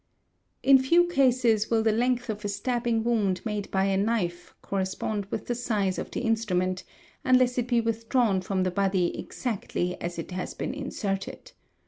a In few cases will the length of a stabbing wound made by a knife correspond with the size of the instrument, unless it be withdrawr from the body exactly as it has been inserted..